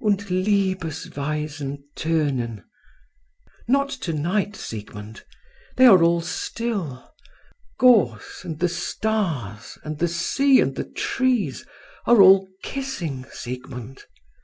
"'Und Liebesweisen tönen' not tonight, Siegmund. They are all still gorse and the stars and the sea and the trees, are all kissing, Siegmund.